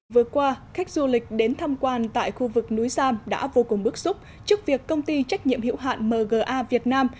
vừa qua khách du lịch đến tham quan tại khu vực núi sam đã vô cùng bức xúc trước việc công ty trách nhiệm hiệu hạn mga việt nam